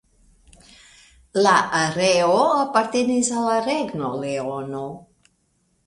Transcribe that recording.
La areo apartenis al la Regno Leono.